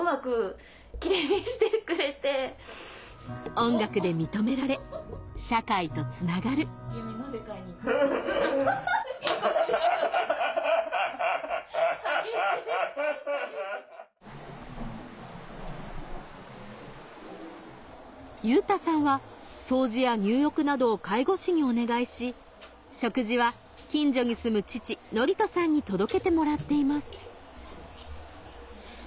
音楽で認められ社会とつながる優太さんは掃除や入浴などを介護士にお願いし食事は近所に住む父憲人さんに届けてもらっています